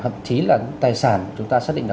thậm chí là tài sản chúng ta xác định là